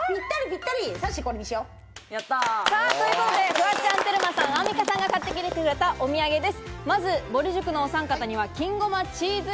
これ、いいかもしれない。ということで、フワちゃん、テルマさん、アンミカさんが買ってくれたお土産です。